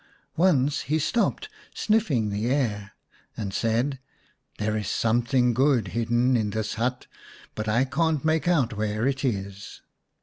Once he stopped, sniffed the air, and said, "There is something good hidden in this hut, but I can't make out where it is."